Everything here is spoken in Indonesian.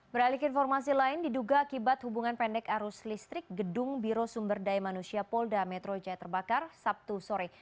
beralik informasi lain diduga akibat hubungan pendek arus listrik gedung biro sumber daya manusia polda metro jaya terbakar sabtu sore